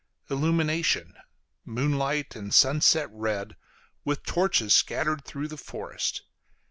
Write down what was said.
Illumination moonlight and sunset red, with torches scattered through the forest.